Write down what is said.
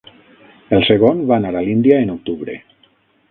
El segon va anar a l'Índia en Octubre.